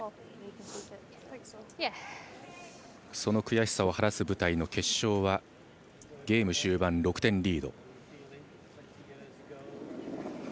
その悔しさを晴らす舞台の決勝はゲーム終盤、６点リード。